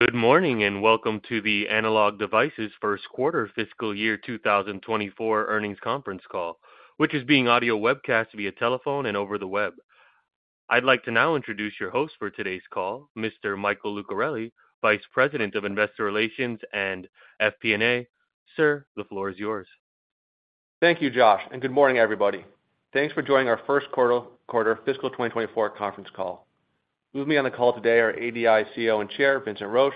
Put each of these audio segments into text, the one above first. Good morning and welcome to the Analog Devices first quarter fiscal year 2024 earnings conference call, which is being audio-webcast via telephone and over the web. I'd like to now introduce your host for today's call, Mr. Michael Lucarelli, Vice President of Investor Relations and FP&A. Sir, the floor is yours. Thank you, Josh, and good morning, everybody. Thanks for joining our first quarter fiscal 2024 conference call. With me on the call today are ADI CEO and Chair Vincent Roche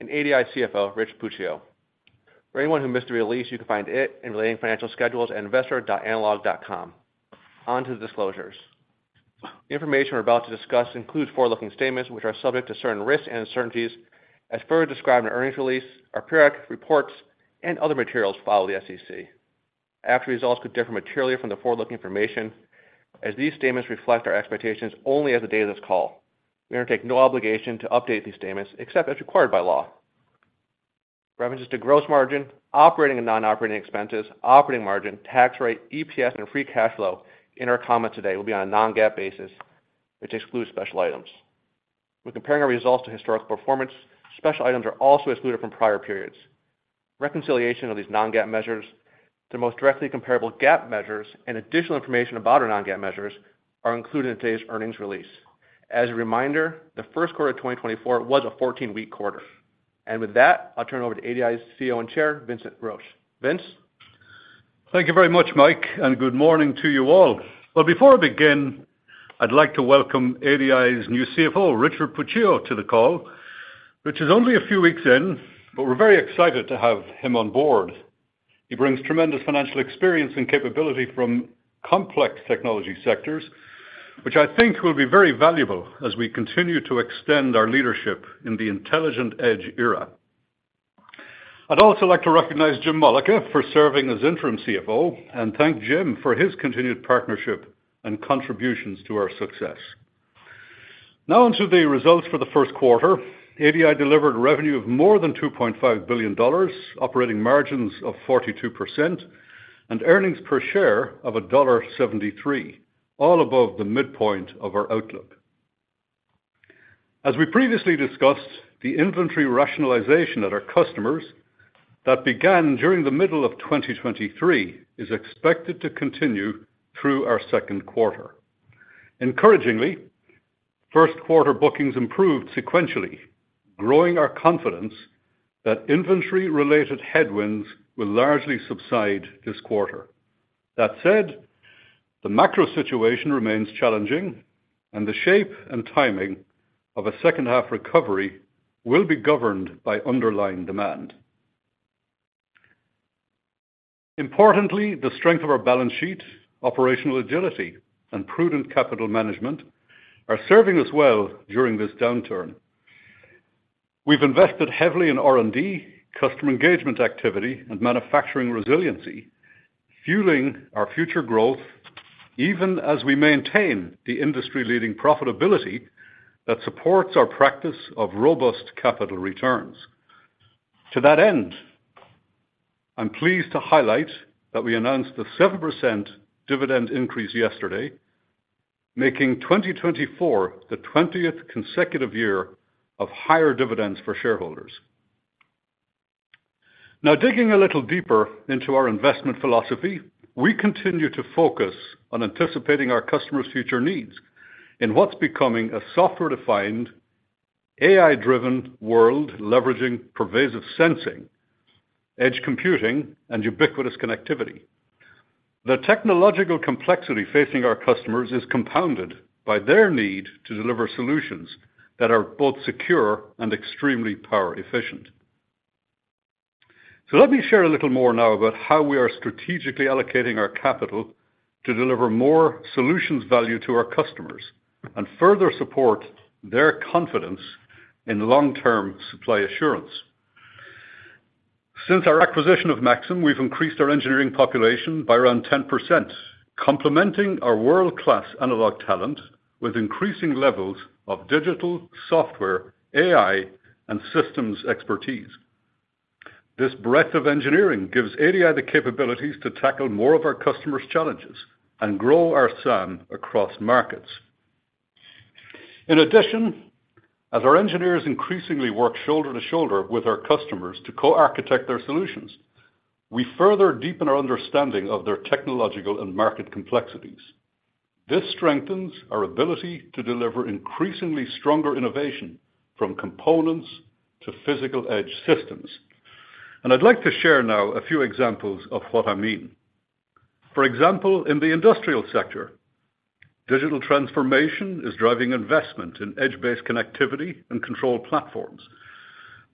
and ADI CFO Rich Puccio. For anyone who missed the release, you can find it in related financial schedules at investor.analog.com. On to the disclosures. The information we're about to discuss includes forward-looking statements which are subject to certain risks and uncertainties as further described in earnings release, our periodic reports, and other materials filed with the SEC. Actual results could differ materially from the forward-looking information, as these statements reflect our expectations only as of the date of this call. We undertake no obligation to update these statements except as required by law. References to gross margin, operating and non-operating expenses, operating margin, tax rate, EPS, and free cash flow in our comments today will be on a non-GAAP basis, which excludes special items. When comparing our results to historical performance, special items are also excluded from prior periods. Reconciliation of these non-GAAP measures to the most directly comparable GAAP measures and additional information about our non-GAAP measures are included in today's earnings release. As a reminder, the first quarter of 2024 was a 14-week quarter. With that, I'll turn it over to ADI's CEO and Chair Vincent Roche. Vince? Thank you very much, Mike, and good morning to you all. Well, before I begin, I'd like to welcome ADI's new CFO, Richard Puccio, to the call, which is only a few weeks in, but we're very excited to have him on board. He brings tremendous financial experience and capability from complex technology sectors, which I think will be very valuable as we continue to extend our leadership in the intelligent edge era. I'd also like to recognize Jim Mollica for serving as interim CFO, and thank Jim for his continued partnership and contributions to our success. Now onto the results for the first quarter. ADI delivered revenue of more than $2.5 billion, operating margins of 42%, and earnings per share of $1.73, all above the midpoint of our outlook. As we previously discussed, the inventory rationalization at our customers that began during the middle of 2023 is expected to continue through our second quarter. Encouragingly, first quarter bookings improved sequentially, growing our confidence that inventory-related headwinds will largely subside this quarter. That said, the macro situation remains challenging, and the shape and timing of a second-half recovery will be governed by underlying demand. Importantly, the strength of our balance sheet, operational agility, and prudent capital management are serving us well during this downturn. We've invested heavily in R&D, customer engagement activity, and manufacturing resiliency, fueling our future growth even as we maintain the industry-leading profitability that supports our practice of robust capital returns. To that end, I'm pleased to highlight that we announced the 7% dividend increase yesterday, making 2024 the 20th consecutive year of higher dividends for shareholders. Now, digging a little deeper into our investment philosophy, we continue to focus on anticipating our customers' future needs in what's becoming a software-defined, AI-driven world leveraging pervasive sensing, edge computing, and ubiquitous connectivity. The technological complexity facing our customers is compounded by their need to deliver solutions that are both secure and extremely power-efficient. So let me share a little more now about how we are strategically allocating our capital to deliver more solutions value to our customers and further support their confidence in long-term supply assurance. Since our acquisition of Maxim, we've increased our engineering population by around 10%, complementing our world-class analog talent with increasing levels of digital, software, AI, and systems expertise. This breadth of engineering gives ADI the capabilities to tackle more of our customers' challenges and grow our SAM across markets. In addition, as our engineers increasingly work shoulder to shoulder with our customers to co-architect their solutions, we further deepen our understanding of their technological and market complexities. This strengthens our ability to deliver increasingly stronger innovation from components to physical edge systems. I'd like to share now a few examples of what I mean. For example, in the industrial sector, digital transformation is driving investment in edge-based connectivity and control platforms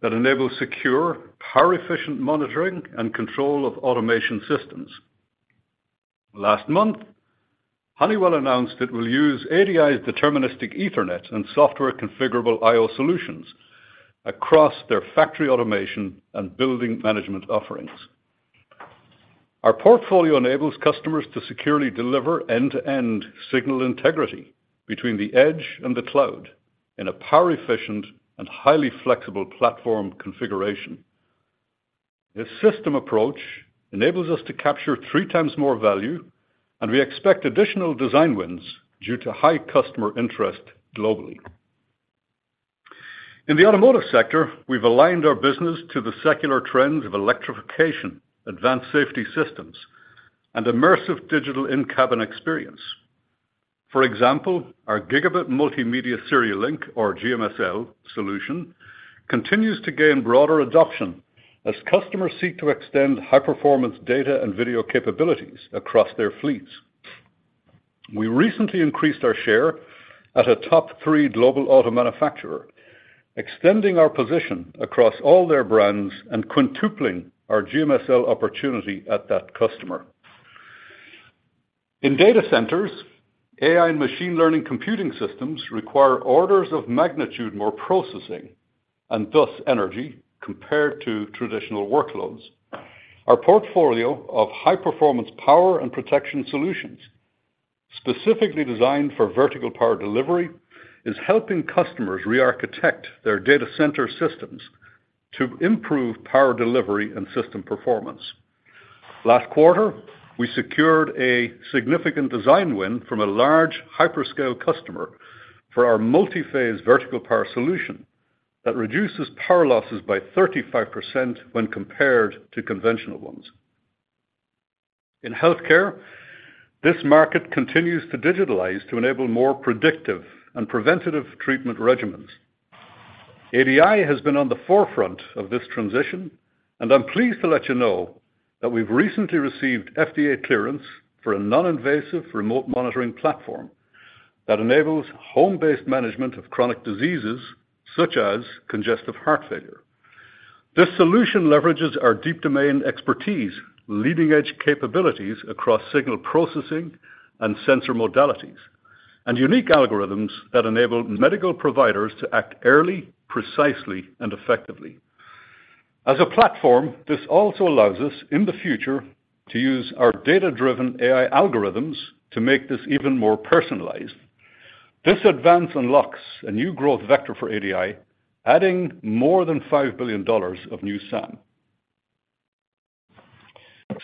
that enable secure, power-efficient monitoring and control of automation systems. Last month, Honeywell announced it will use ADI's Deterministic Ethernet and software-configurable I/O solutions across their factory automation and building management offerings. Our portfolio enables customers to securely deliver end-to-end signal integrity between the edge and the cloud in a power-efficient and highly flexible platform configuration. This system approach enables us to capture 3 times more value, and we expect additional design wins due to high customer interest globally. In the automotive sector, we've aligned our business to the secular trends of electrification, advanced safety systems, and immersive digital in-cabin experience. For example, our Gigabit Multimedia Serial Link, or GMSL, solution continues to gain broader adoption as customers seek to extend high-performance data and video capabilities across their fleets. We recently increased our share at a top 3 global auto manufacturer, extending our position across all their brands and quintupling our GMSL opportunity at that customer. In data centers, AI and machine learning computing systems require orders of magnitude more processing and thus energy compared to traditional workloads. Our portfolio of high-performance power and protection solutions, specifically designed for vertical power delivery, is helping customers re-architect their data center systems to improve power delivery and system performance. Last quarter, we secured a significant design win from a large hyperscale customer for our multiphase vertical power solution that reduces power losses by 35% when compared to conventional ones. In healthcare, this market continues to digitalize to enable more predictive and preventive treatment regimens. ADI has been on the forefront of this transition, and I'm pleased to let you know that we've recently received FDA clearance for a non-invasive remote monitoring platform that enables home-based management of chronic diseases such as congestive heart failure. This solution leverages our deep domain expertise, leading-edge capabilities across signal processing and sensor modalities, and unique algorithms that enable medical providers to act early, precisely, and effectively. As a platform, this also allows us, in the future, to use our data-driven AI algorithms to make this even more personalized. This advance unlocks a new growth vector for ADI, adding more than $5 billion of new SAM.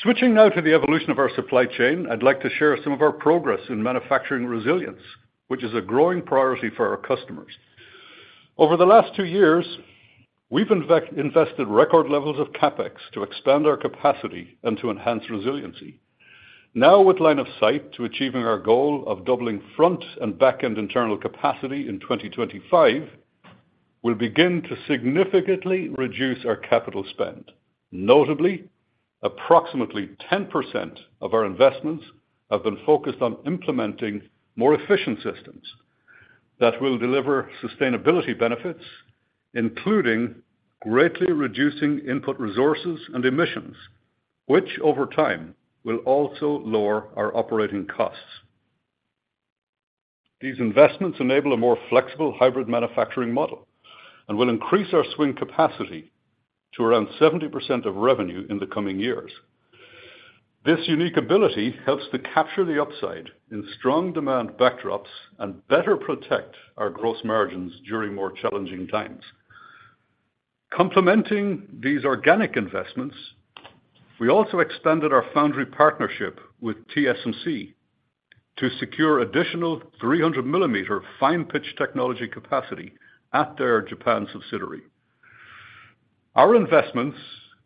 Switching now to the evolution of our supply chain, I'd like to share some of our progress in manufacturing resilience, which is a growing priority for our customers. Over the last two years, we've invested record levels of CapEx to expand our capacity and to enhance resiliency. Now, with line of sight to achieving our goal of doubling front and back-end internal capacity in 2025, we'll begin to significantly reduce our capital spend. Notably, approximately 10% of our investments have been focused on implementing more efficient systems that will deliver sustainability benefits, including greatly reducing input resources and emissions, which over time will also lower our operating costs. These investments enable a more flexible hybrid manufacturing model and will increase our swing capacity to around 70% of revenue in the coming years. This unique ability helps to capture the upside in strong demand backdrops and better protect our gross margins during more challenging times. Complementing these organic investments, we also expanded our foundry partnership with TSMC to secure additional 300-millimeter fine-pitch technology capacity at their Japan subsidiary. Our investments,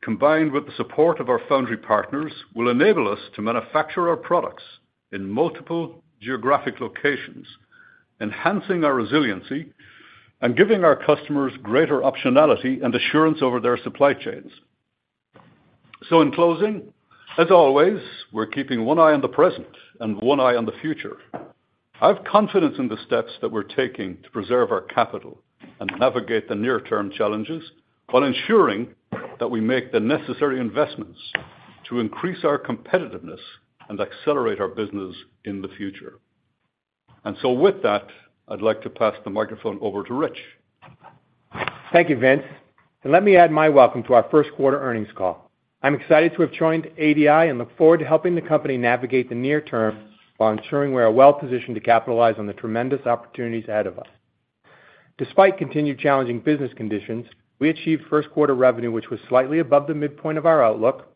combined with the support of our foundry partners, will enable us to manufacture our products in multiple geographic locations, enhancing our resiliency and giving our customers greater optionality and assurance over their supply chains. So in closing, as always, we're keeping one eye on the present and one eye on the future. I have confidence in the steps that we're taking to preserve our capital and navigate the near-term challenges while ensuring that we make the necessary investments to increase our competitiveness and accelerate our business in the future. And so with that, I'd like to pass the microphone over to Rich. Thank you, Vince. Let me add my welcome to our first quarter earnings call. I'm excited to have joined ADI and look forward to helping the company navigate the near term while ensuring we are well-positioned to capitalize on the tremendous opportunities ahead of us. Despite continued challenging business conditions, we achieved first-quarter revenue which was slightly above the midpoint of our outlook,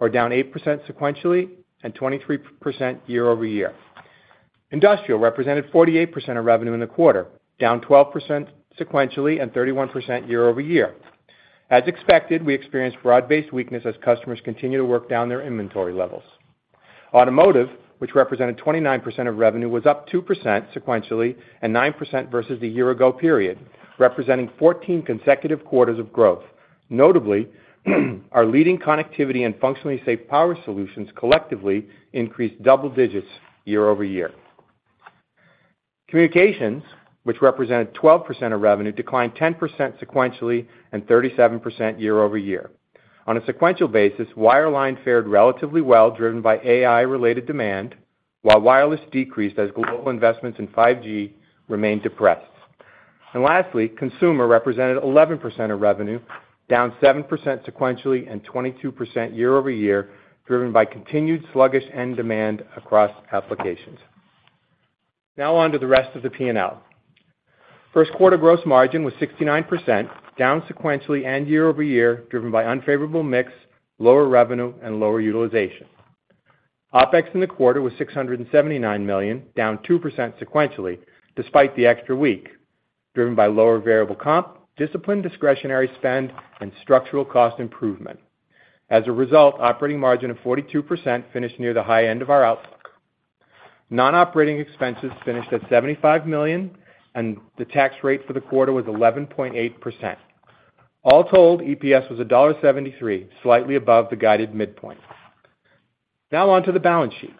or down 8% sequentially and 23% year-over-year. Industrial represented 48% of revenue in the quarter, down 12% sequentially and 31% year-over-year. As expected, we experienced broad-based weakness as customers continue to work down their inventory levels. Automotive, which represented 29% of revenue, was up 2% sequentially and 9% versus the year-ago period, representing 14 consecutive quarters of growth. Notably, our leading connectivity and functionally safe power solutions collectively increased double digits year-over-year. Communications, which represented 12% of revenue, declined 10% sequentially and 37% year-over-year. On a sequential basis, wireline fared relatively well, driven by AI-related demand, while wireless decreased as global investments in 5G remained depressed. And lastly, consumer represented 11% of revenue, down 7% sequentially and 22% year-over-year, driven by continued sluggish end demand across applications. Now onto the rest of the P&L. First quarter gross margin was 69%, down sequentially and year-over-year, driven by unfavorable mix, lower revenue, and lower utilization. OpEx in the quarter was $679 million, down 2% sequentially despite the extra week, driven by lower variable comp, disciplined discretionary spend, and structural cost improvement. As a result, operating margin of 42% finished near the high end of our outlook. Non-operating expenses finished at $75 million, and the tax rate for the quarter was 11.8%. All told, EPS was $1.73, slightly above the guided midpoint. Now onto the balance sheet.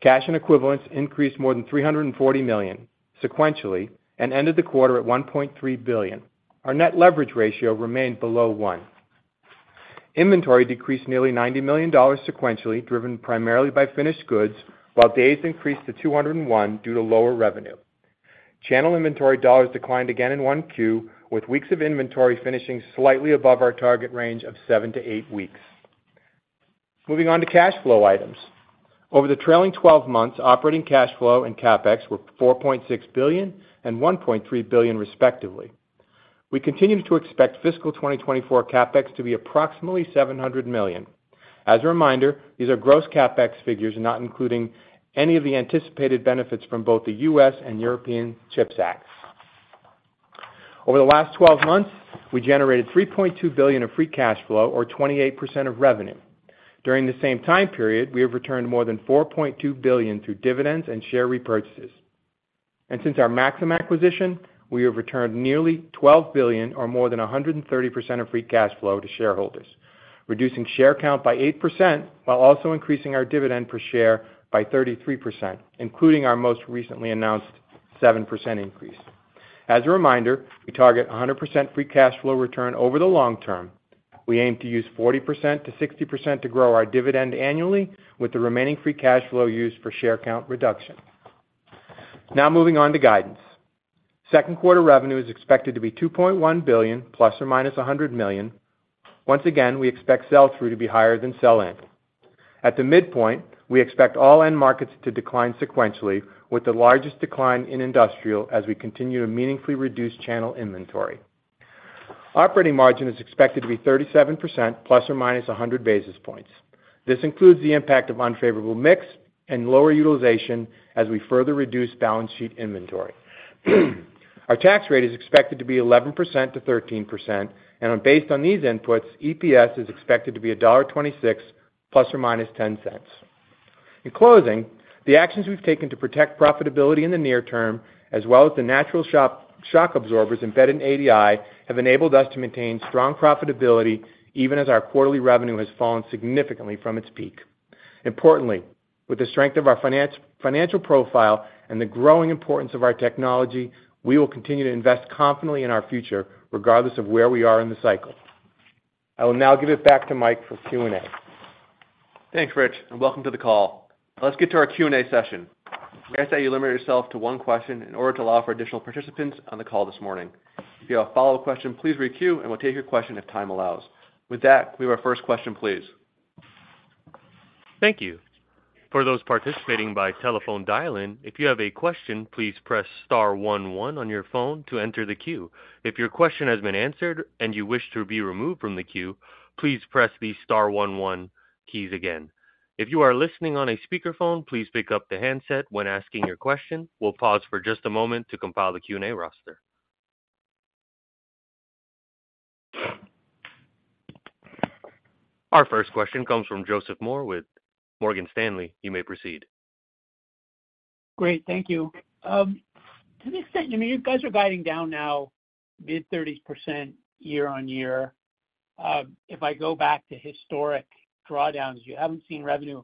Cash and equivalents increased more than $340 million sequentially and ended the quarter at $1.3 billion. Our net leverage ratio remained below 1. Inventory decreased nearly $90 million sequentially, driven primarily by finished goods, while days increased to 201 due to lower revenue. Channel inventory dollars declined again in Q1, with weeks of inventory finishing slightly above our target range of seven to eight weeks. Moving on to cash flow items. Over the trailing 12 months, operating cash flow and CapEx were $4.6 billion and $1.3 billion, respectively. We continue to expect fiscal 2024 CapEx to be approximately $700 million. As a reminder, these are gross CapEx figures, not including any of the anticipated benefits from both the U.S. and European CHIPS Acts. Over the last 12 months, we generated $3.2 billion of free cash flow, or 28% of revenue. During the same time period, we have returned more than $4.2 billion through dividends and share repurchases. Since our Maxim acquisition, we have returned nearly $12 billion, or more than 130% of free cash flow, to shareholders, reducing share count by 8% while also increasing our dividend per share by 33%, including our most recently announced 7% increase. As a reminder, we target 100% free cash flow return over the long term. We aim to use 40%-60% to grow our dividend annually, with the remaining free cash flow used for share count reduction. Now moving on to guidance. Second quarter revenue is expected to be $2.1 billion ± $100 million. Once again, we expect sell-through to be higher than sell-in. At the midpoint, we expect all end markets to decline sequentially, with the largest decline in industrial as we continue to meaningfully reduce channel inventory. Operating margin is expected to be 37% ± 100 basis points. This includes the impact of unfavorable mix and lower utilization as we further reduce balance sheet inventory. Our tax rate is expected to be 11%-13%, and based on these inputs, EPS is expected to be $1.26 ± $0.10. In closing, the actions we've taken to protect profitability in the near term, as well as the natural shock absorbers embedded in ADI, have enabled us to maintain strong profitability even as our quarterly revenue has fallen significantly from its peak. Importantly, with the strength of our financial profile and the growing importance of our technology, we will continue to invest confidently in our future, regardless of where we are in the cycle. I will now give it back to Mike for Q&A. Thanks, Rich, and welcome to the call. Let's get to our Q&A session. I'm going to ask that you limit yourself to one question in order to allow for additional participants on the call this morning. If you have a follow-up question, please re-queue, and we'll take your question if time allows. With that, we have our first question, please. Thank you. For those participating by telephone dial-in, if you have a question, please press star 11 on your phone to enter the queue. If your question has been answered and you wish to be removed from the queue, please press the star 11 keys again. If you are listening on a speakerphone, please pick up the handset when asking your question. We'll pause for just a moment to compile the Q&A roster. Our first question comes from Joseph Moore with Morgan Stanley. You may proceed. Great. Thank you. To the extent you guys are guiding down now, mid-30% year-over-year, if I go back to historic drawdowns, you haven't seen revenue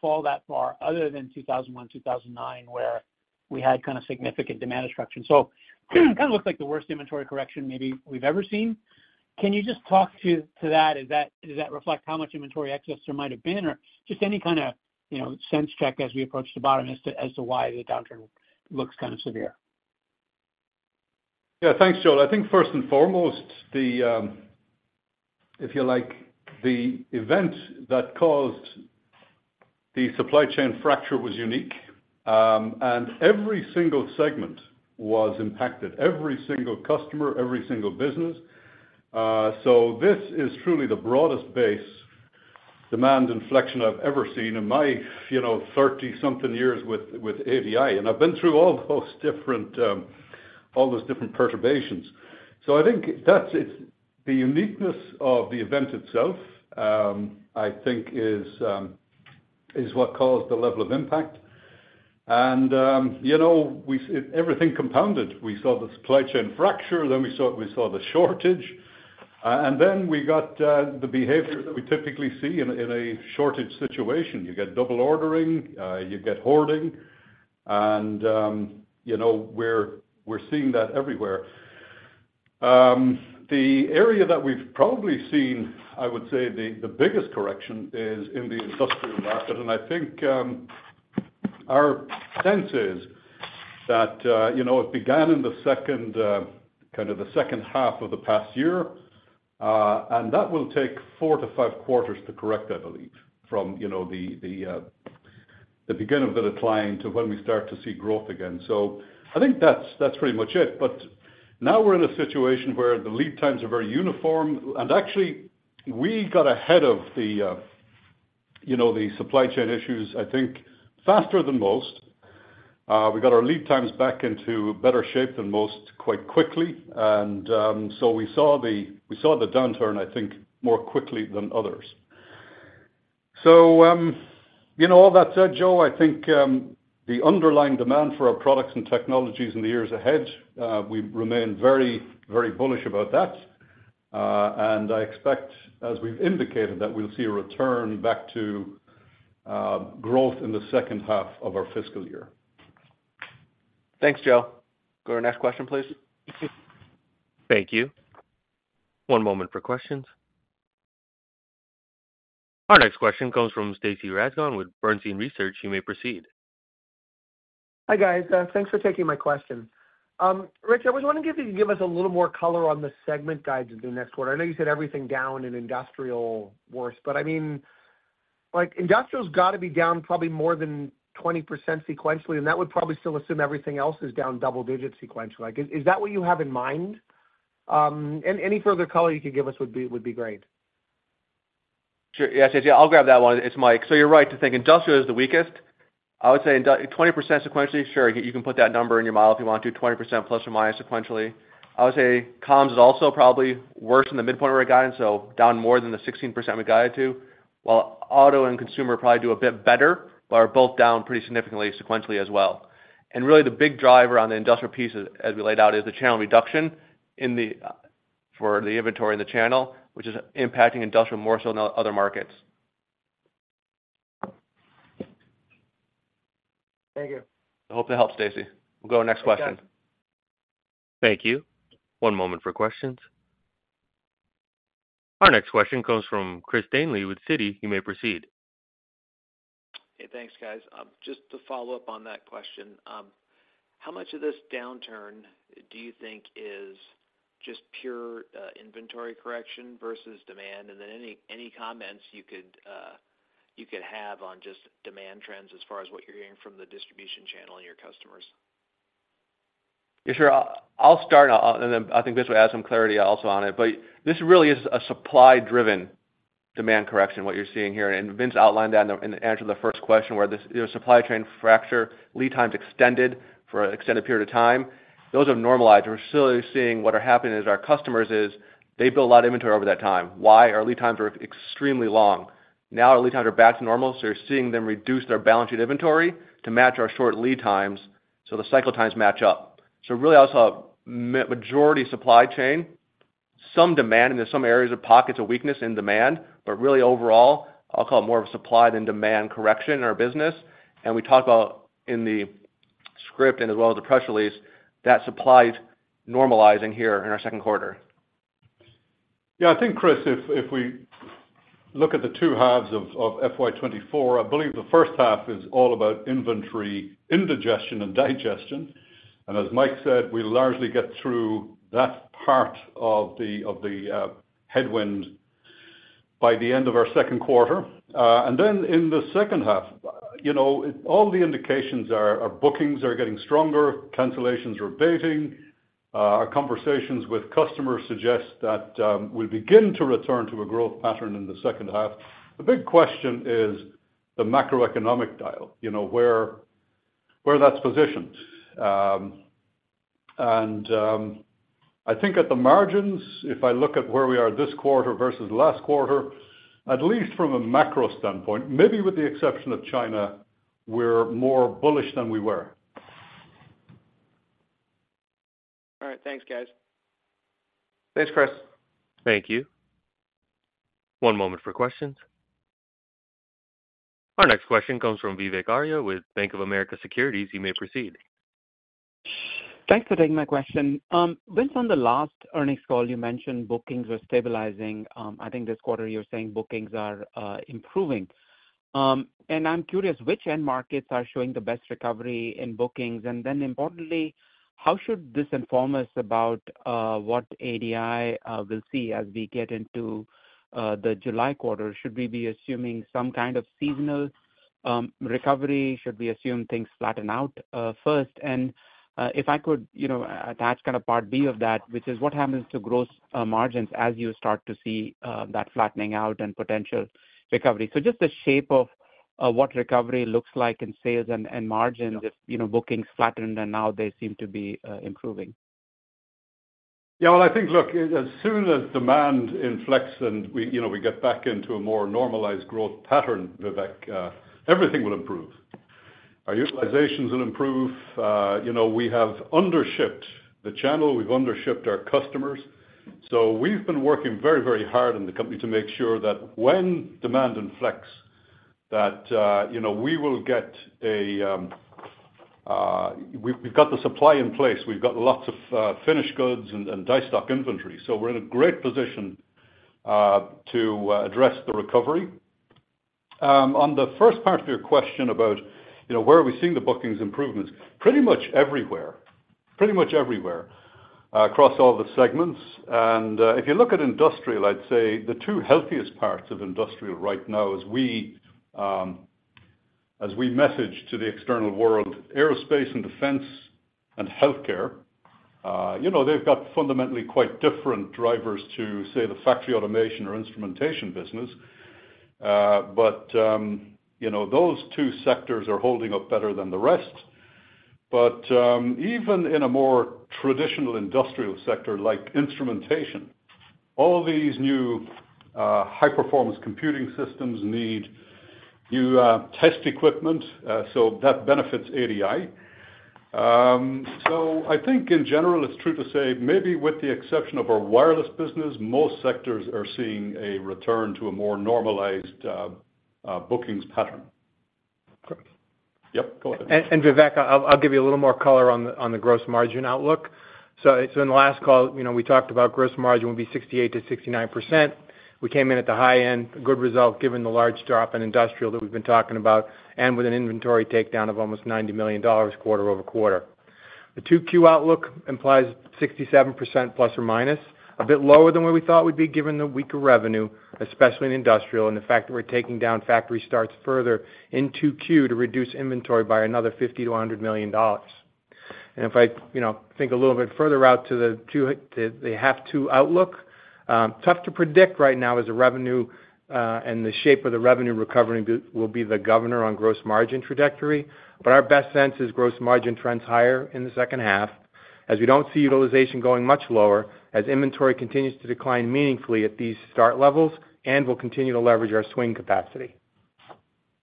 fall that far other than 2001, 2009, where we had kind of significant demand destruction. So it kind of looks like the worst inventory correction maybe we've ever seen. Can you just talk to that? Does that reflect how much inventory excess there might have been, or just any kind of sense check as we approach the bottom as to why the downturn looks kind of severe? Yeah. Thanks, Joseph. I think first and foremost, if you like, the event that caused the supply chain fracture was unique, and every single segment was impacted, every single customer, every single business. So this is truly the broadest base demand inflection I've ever seen in my 30-something years with ADI, and I've been through all those different perturbations. So I think the uniqueness of the event itself, I think, is what caused the level of impact. And everything compounded. We saw the supply chain fracture, then we saw the shortage, and then we got the behaviors that we typically see in a shortage situation. You get double ordering, you get hoarding, and we're seeing that everywhere. The area that we've probably seen, I would say, the biggest correction is in the industrial market, and I think our sense is that it began in kind of the second half of the past year, and that will take 4-5 quarters to correct, I believe, from the beginning of the decline to when we start to see growth again. So I think that's pretty much it. But now we're in a situation where the lead times are very uniform, and actually, we got ahead of the supply chain issues, I think, faster than most. We got our lead times back into better shape than most quite quickly, and so we saw the downturn, I think, more quickly than others. So all that said, Joel, I think the underlying demand for our products and technologies in the years ahead, we remain very, very bullish about that. I expect, as we've indicated, that we'll see a return back to growth in the second half of our fiscal year. Thanks, Joel. Go to our next question, please. Thank you. One moment for questions. Our next question comes from Stacy Rasgon with Bernstein Research. You may proceed. Hi, guys. Thanks for taking my question. Rich, I was wondering if you could give us a little more color on the segment guides in the next quarter. I know you said everything down in industrial, worse, but I mean, industrial's got to be down probably more than 20% sequentially, and that would probably still assume everything else is down double digits sequentially. Is that what you have in mind? Any further color you could give us would be great. Sure. Yeah, Stacy, I'll grab that one. It's Mike. So you're right to think industrial is the weakest. I would say 20% sequentially, sure, you can put that number in your mind if you want to, 20% ± sequentially. I would say comms is also probably worse in the midpoint where we're guided, so down more than the 16% we guided to. While auto and consumer probably do a bit better, but are both down pretty significantly sequentially as well. And really, the big driver on the industrial piece, as we laid out, is the channel reduction for the inventory in the channel, which is impacting industrial more so than other markets. Thank you. I hope that helps, Stacy. We'll go to the next question. Thank you. One moment for questions. Our next question comes from Chris Danley with Citi. You may proceed. Hey, thanks, guys. Just to follow up on that question, how much of this downturn do you think is just pure inventory correction versus demand, and then any comments you could have on just demand trends as far as what you're hearing from the distribution channel and your customers? Yeah, sure. I'll start, and then I think this will add some clarity also on it. But this really is a supply-driven demand correction, what you're seeing here. And Vince outlined that in the answer to the first question, where the supply chain fracture, lead times extended for an extended period of time, those have normalized. We're still seeing what are happening is our customers is they build a lot of inventory over that time. Why? Our lead times are extremely long. Now our lead times are back to normal, so you're seeing them reduce their balance sheet inventory to match our short lead times so the cycle times match up. So really, I would say majority supply chain, some demand, and there's some areas of pockets of weakness in demand, but really, overall, I'll call it more of a supply than demand correction in our business. We talked about in the script and as well as the press release that supply's normalizing here in our second quarter. Yeah. I think, Chris, if we look at the two halves of FY24, I believe the first half is all about inventory indigestion and digestion. And as Mike said, we largely get through that part of the headwind by the end of our second quarter. And then in the second half, all the indications are bookings are getting stronger, cancellations are abating, our conversations with customers suggest that we'll begin to return to a growth pattern in the second half. The big question is the macroeconomic dial, where that's positioned. And I think at the margins, if I look at where we are this quarter versus last quarter, at least from a macro standpoint, maybe with the exception of China, we're more bullish than we were. All right. Thanks, guys. Thanks, Chris. Thank you. One moment for questions. Our next question comes from Vivek Arya with Bank of America Securities. You may proceed. Thanks for taking my question. Vince, on the last earnings call, you mentioned bookings were stabilizing. I think this quarter you're saying bookings are improving. And I'm curious, which end markets are showing the best recovery in bookings? And then importantly, how should this inform us about what ADI will see as we get into the July quarter? Should we be assuming some kind of seasonal recovery? Should we assume things flatten out first? And if I could attach kind of part B of that, which is what happens to gross margins as you start to see that flattening out and potential recovery? So just the shape of what recovery looks like in sales and margins, if bookings flattened and now they seem to be improving. Yeah. Well, I think, look, as soon as demand inflects and we get back into a more normalized growth pattern, Vivek, everything will improve. Our utilizations will improve. We have undershipped the channel. We've undershipped our customers. So we've been working very, very hard in the company to make sure that when demand inflects, that we will get a we've got the supply in place. We've got lots of finished goods and die-stock inventory. So we're in a great position to address the recovery. On the first part of your question about where are we seeing the bookings improvements? Pretty much everywhere, pretty much everywhere across all the segments. If you look at industrial, I'd say the two healthiest parts of industrial right now as we message to the external world, aerospace and defense and healthcare, they've got fundamentally quite different drivers to, say, the factory automation or instrumentation business. Those two sectors are holding up better than the rest. Even in a more traditional industrial sector like instrumentation, all these new high-performance computing systems need new test equipment, so that benefits ADI. I think, in general, it's true to say, maybe with the exception of our wireless business, most sectors are seeing a return to a more normalized bookings pattern. Correct. Yep. Go ahead. Vivek, I'll give you a little more color on the gross margin outlook. In the last call, we talked about gross margin will be 68%-69%. We came in at the high end, good result given the large drop in industrial that we've been talking about, and with an inventory takedown of almost $90 million quarter-over-quarter. The 2Q outlook implies 67% ±, a bit lower than what we thought would be given the weaker revenue, especially in industrial and the fact that we're taking down factory starts further in 2Q to reduce inventory by another $50-$100 million. If I think a little bit further out to the H2 outlook, tough to predict right now is the shape of the revenue recovery will be the governor on gross margin trajectory. Our best sense is gross margin trends higher in the second half as we don't see utilization going much lower, as inventory continues to decline meaningfully at these start levels and will continue to leverage our swing capacity.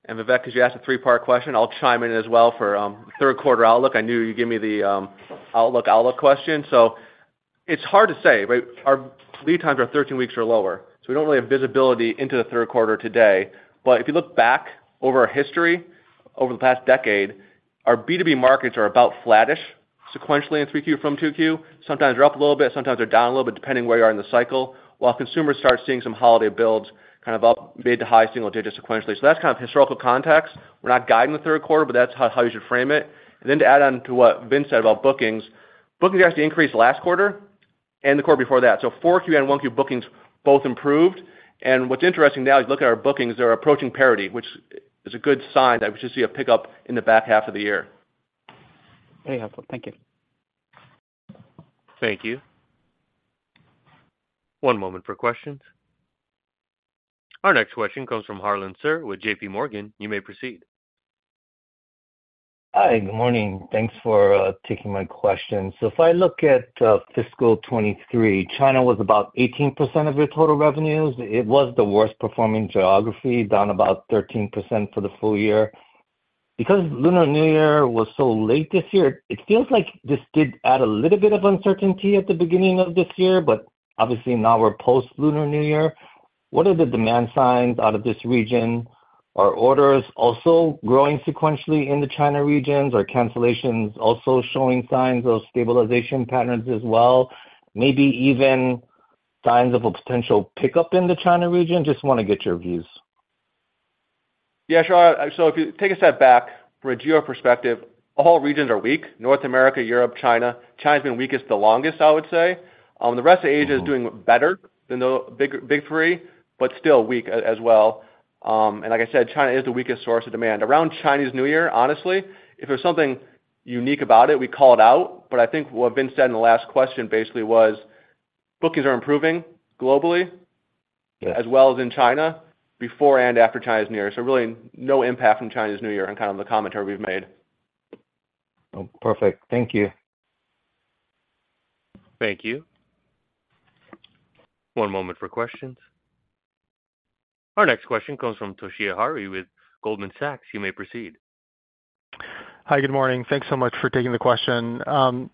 And Vivek, because you asked a three-part question, I'll chime in as well for third quarter outlook. I knew you'd give me the outlook-outlook question. So it's hard to say, right? Our lead times are 13 weeks or lower. So we don't really have visibility into the third quarter today. But if you look back over our history, over the past decade, our B2B markets are about flattish sequentially in 3Q from 2Q. Sometimes they're up a little bit. Sometimes they're down a little bit depending where you are in the cycle, while consumers start seeing some holiday builds kind of up mid- to high-single-digit sequentially. So that's kind of historical context. We're not guiding the third quarter, but that's how you should frame it. And then to add on to what Vince said about bookings, bookings actually increased last quarter and the quarter before that. So 4Q and 1Q bookings both improved. What's interesting now, if you look at our bookings, they're approaching parity, which is a good sign that we should see a pickup in the back half of the year. Very helpful. Thank you. Thank you. One moment for questions. Our next question comes from Harlan Sur with JP Morgan. You may proceed. Hi. Good morning. Thanks for taking my question. So if I look at fiscal 2023, China was about 18% of your total revenues. It was the worst performing geography, down about 13% for the full year. Because Lunar New Year was so late this year, it feels like this did add a little bit of uncertainty at the beginning of this year, but obviously, now we're post-Lunar New Year. What are the demand signs out of this region? Are orders also growing sequentially in the China regions? Are cancellations also showing signs of stabilization patterns as well? Maybe even signs of a potential pickup in the China region? Just want to get your views. Yeah, sure. So if you take a step back from a geo perspective, all regions are weak: North America, Europe, China. China's been weakest the longest, I would say. The rest of Asia is doing better than the big three, but still weak as well. And like I said, China is the weakest source of demand. Around Chinese New Year, honestly, if there's something unique about it, we call it out. But I think what Vince said in the last question basically was bookings are improving globally as well as in China before and after Chinese New Year. So really, no impact from Chinese New Year in kind of the commentary we've made. Perfect. Thank you. Thank you. One moment for questions. Our next question comes from Toshiya Hari with Goldman Sachs. You may proceed. Hi. Good morning. Thanks so much for taking the question.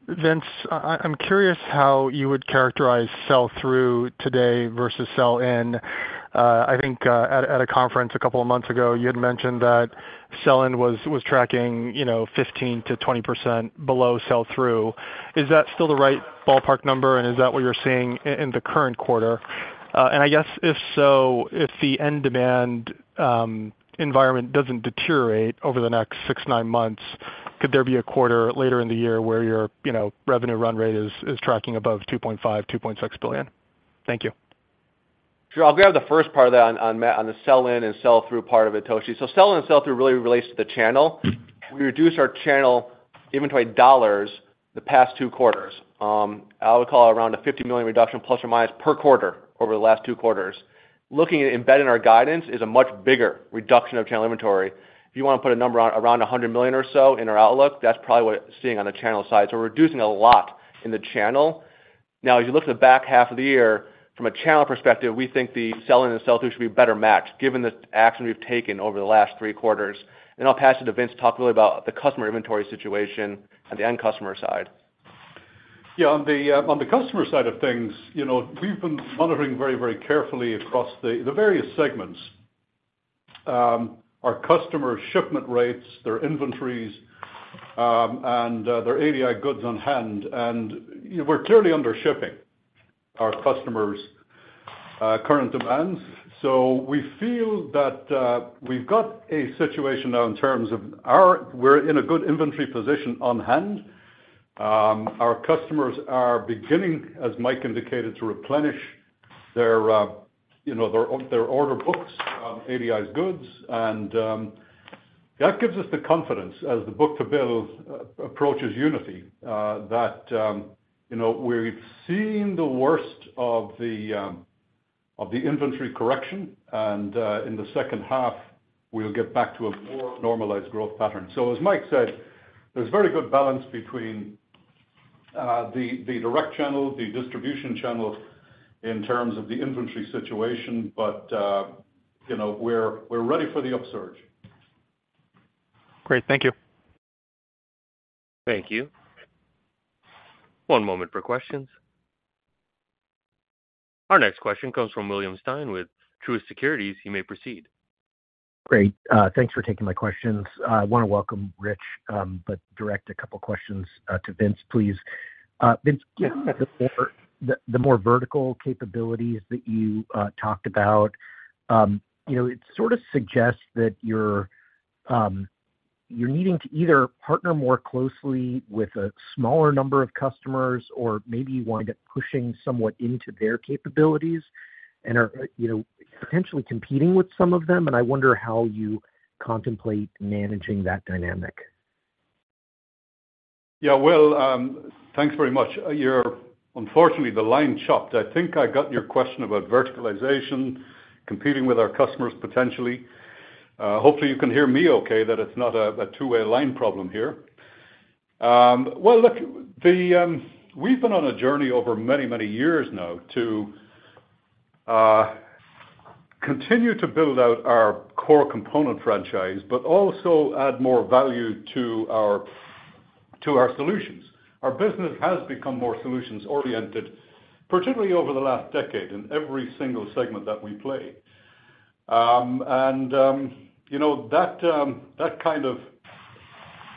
Vince, I'm curious how you would characterize sell-through today versus sell-in. I think at a conference a couple of months ago, you had mentioned that sell-in was tracking 15%-20% below sell-through. Is that still the right ballpark number, and is that what you're seeing in the current quarter? And I guess if so, if the end demand environment doesn't deteriorate over the next 6-9 months, could there be a quarter later in the year where your revenue run rate is tracking above $2.5-$2.6 billion? Thank you. Sure. I'll grab the first part of that on the sell-in and sell-through part of it, Toshi. So sell-in and sell-through really relates to the channel. We reduced our channel inventory dollars the past two quarters. I would call it around a $50 million reduction plus or minus per quarter over the last two quarters. Looking at embedding our guidance is a much bigger reduction of channel inventory. If you want to put a number around $100 million or so in our outlook, that's probably what we're seeing on the channel side. So we're reducing a lot in the channel. Now, as you look at the back half of the year, from a channel perspective, we think the sell-in and sell-through should be better matched given the action we've taken over the last three quarters. I'll pass it to Vince to talk really about the customer inventory situation on the end customer side. Yeah. On the customer side of things, we've been monitoring very, very carefully across the various segments: our customers' shipment rates, their inventories, and their ADI goods on hand. We're clearly undershipping our customers' current demands. We feel that we've got a situation now in terms of, we're in a good inventory position on hand. Our customers are beginning, as Mike indicated, to replenish their order books on ADI's goods. That gives us the confidence as the book-to-bill approaches unity that we've seen the worst of the inventory correction. In the second half, we'll get back to a more normalized growth pattern. As Mike said, there's very good balance between the direct channel, the distribution channel in terms of the inventory situation, but we're ready for the upsurge. Great. Thank you. Thank you. One moment for questions. Our next question comes from William Stein with Truist Securities. You may proceed. Great. Thanks for taking my questions. I want to welcome Rich, but direct a couple of questions to Vince, please. Vince, the more vertical capabilities that you talked about, it sort of suggests that you're needing to either partner more closely with a smaller number of customers or maybe you wind up pushing somewhat into their capabilities and are potentially competing with some of them. And I wonder how you contemplate managing that dynamic. Yeah. Well, thanks very much. Unfortunately, the line chopped. I think I got your question about verticalization, competing with our customers, potentially. Hopefully, you can hear me okay. That it's not a two-way line problem here. Well, look, we've been on a journey over many, many years now to continue to build out our core component franchise, but also add more value to our solutions. Our business has become more solutions-oriented, particularly over the last decade in every single segment that we play. And that kind of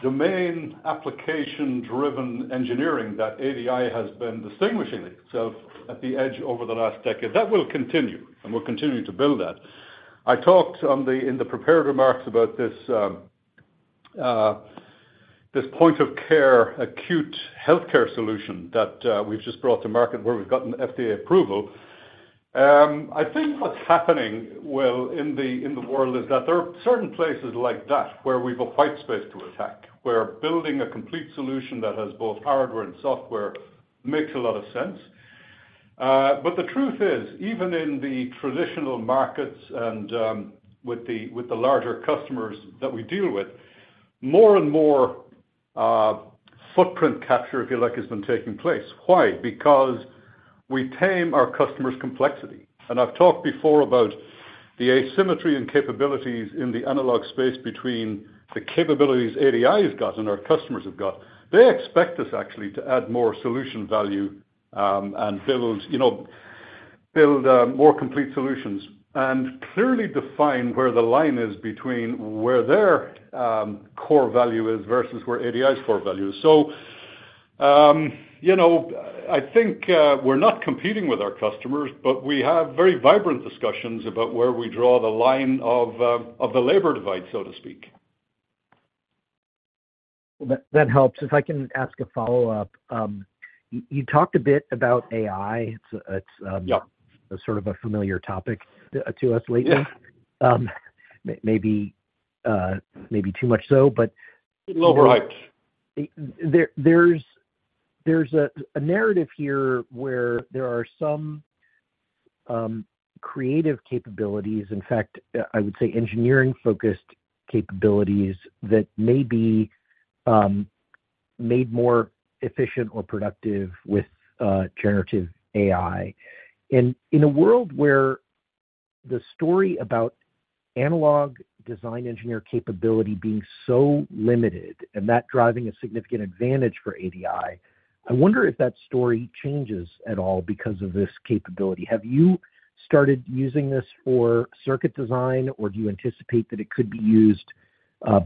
domain application-driven engineering that ADI has been distinguishing itself at the edge over the last decade, that will continue, and we'll continue to build that. I talked in the prepared remarks about this point-of-care acute healthcare solution that we've just brought to market where we've gotten FDA approval. I think what's happening, well, in the world is that there are certain places like that where we have a white space to attack, where building a complete solution that has both hardware and software makes a lot of sense. But the truth is, even in the traditional markets and with the larger customers that we deal with, more and more footprint capture, if you like, has been taking place. Why? Because we tame our customers' complexity. And I've talked before about the asymmetry in capabilities in the analog space between the capabilities ADI has got and our customers have got. They expect us, actually, to add more solution value and build more complete solutions and clearly define where the line is between where their core value is versus where ADI's core value is. I think we're not competing with our customers, but we have very vibrant discussions about where we draw the line of the labor divide, so to speak. Well, that helps. If I can ask a follow-up, you talked a bit about AI. It's sort of a familiar topic to us lately. Maybe too much so, but. A little overhyped. There's a narrative here where there are some creative capabilities, in fact, I would say engineering-focused capabilities that may be made more efficient or productive with generative AI. In a world where the story about analog design engineer capability being so limited and that driving a significant advantage for ADI, I wonder if that story changes at all because of this capability. Have you started using this for circuit design, or do you anticipate that it could be used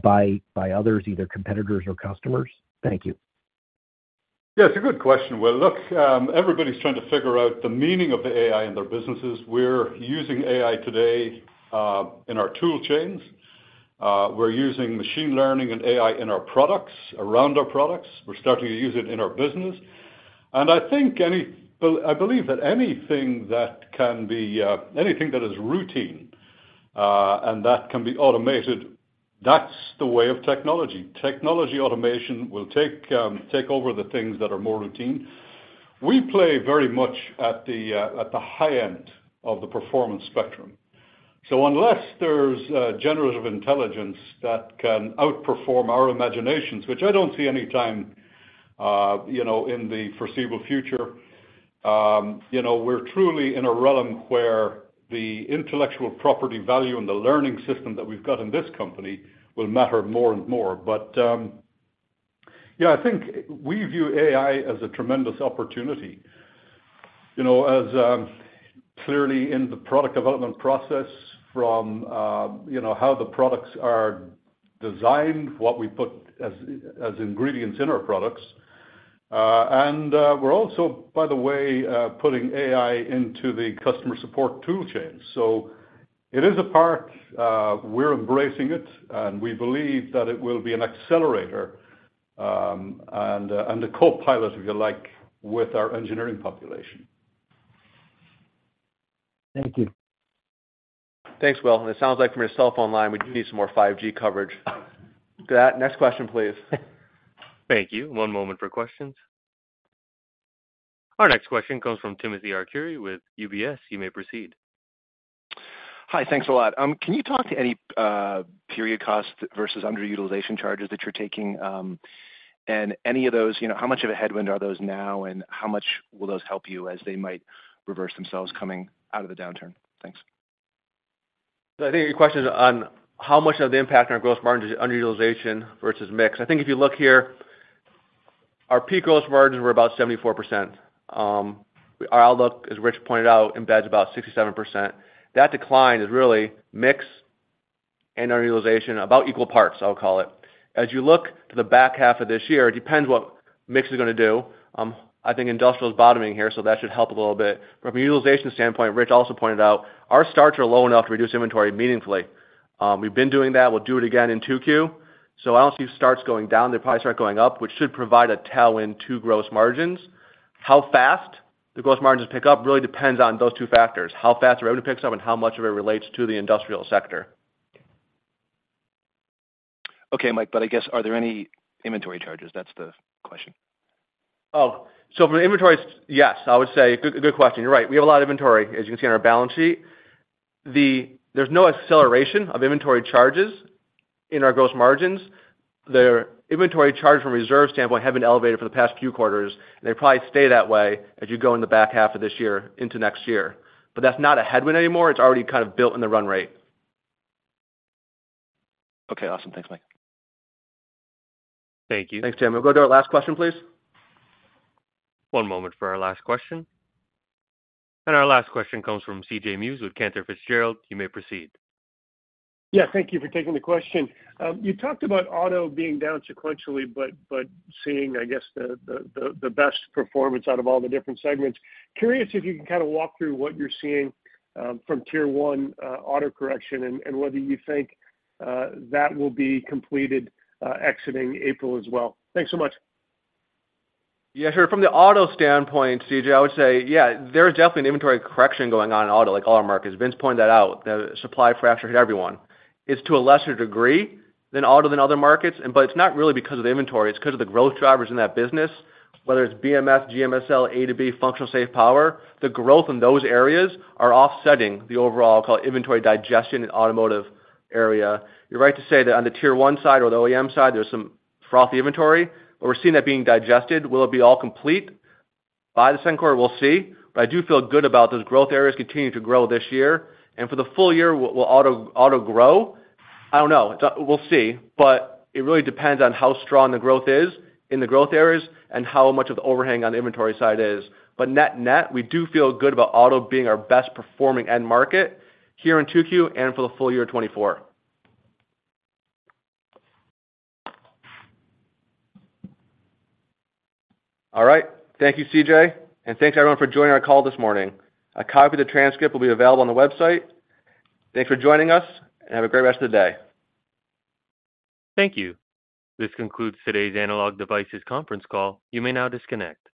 by others, either competitors or customers? Thank you. Yeah. It's a good question. Well, look, everybody's trying to figure out the meaning of the AI in their businesses. We're using AI today in our tool chains. We're using machine learning and AI in our products, around our products. We're starting to use it in our business. And I believe that anything that can be anything that is routine and that can be automated, that's the way of technology. Technology automation will take over the things that are more routine. We play very much at the high end of the performance spectrum. So unless there's generative intelligence that can outperform our imaginations, which I don't see anytime in the foreseeable future, we're truly in a realm where the intellectual property value and the learning system that we've got in this company will matter more and more. But yeah, I think we view AI as a tremendous opportunity, clearly in the product development process from how the products are designed, what we put as ingredients in our products. And we're also, by the way, putting AI into the customer support tool chains. So it is a part we're embracing it, and we believe that it will be an accelerator and a co-pilot, if you like, with our engineering population. Thank you. Thanks, Will. It sounds like from your cell phone line, we do need some more 5G coverage. Next question, please. Thank you. One moment for questions. Our next question comes from Timothy Arcuri with UBS. You may proceed. Hi. Thanks a lot. Can you talk to any period cost versus underutilization charges that you're taking? And any of those, how much of a headwind are those now, and how much will those help you as they might reverse themselves coming out of the downturn? Thanks. So I think your question is on how much of the impact on our Gross Margin is underutilization versus mix. I think if you look here, our peak Gross Margin, we're about 74%. Our outlook, as Rich pointed out, embeds about 67%. That decline is really mix and underutilization about equal parts, I'll call it. As you look to the back half of this year, it depends what mix is going to do. I think industrial is bottoming here, so that should help a little bit. From a utilization standpoint, Rich also pointed out, our starts are low enough to reduce inventory meaningfully. We've been doing that. We'll do it again in 2Q. So I don't see starts going down. They'll probably start going up, which should provide a tailwind to Gross Margins. How fast the gross margins pick up really depends on those two factors: how fast our revenue picks up and how much of it relates to the industrial sector. Okay, Mike, but I guess are there any inventory charges? That's the question. Oh. So from the inventories, yes, I would say good question. You're right. We have a lot of inventory, as you can see on our balance sheet. There's no acceleration of inventory charges in our gross margins. The inventory charge from a reserve standpoint has been elevated for the past few quarters, and they probably stay that way as you go in the back half of this year into next year. But that's not a headwind anymore. It's already kind of built in the run rate. Okay. Awesome. Thanks, Mike. Thank you. Thanks, Tim. We'll go to our last question, please. One moment for our last question. Our last question comes from CJ Muse with Cantor Fitzgerald. You may proceed. Yeah. Thank you for taking the question. You talked about auto being down sequentially but seeing, I guess, the best performance out of all the different segments. Curious if you can kind of walk through what you're seeing from tier one auto correction and whether you think that will be completed exiting April as well? Thanks so much. Yeah. Sure. From the auto standpoint, CJ, I would say, yeah, there is definitely an inventory correction going on in auto, like all our markets. Vince pointed that out. The supply fracture hit everyone. It's to a lesser degree than auto than other markets, but it's not really because of the inventory. It's because of the growth drivers in that business, whether it's BMS, GMSL, A2B, functionally safe power. The growth in those areas are offsetting the overall, I'll call it, inventory digestion in automotive area. You're right to say that on the tier one side or the OEM side, there's some frothy inventory, but we're seeing that being digested. Will it be all complete by the second quarter? We'll see. But I do feel good about those growth areas continuing to grow this year. And for the full year, will auto grow? I don't know. We'll see. But it really depends on how strong the growth is in the growth areas and how much of the overhang on the inventory side is. But net-net, we do feel good about auto being our best performing end market here in 2Q and for the full year 2024. All right. Thank you, CJ. And thanks, everyone, for joining our call this morning. A copy of the transcript will be available on the website. Thanks for joining us, and have a great rest of the day. Thank you. This concludes today's Analog Devices conference call. You may now disconnect.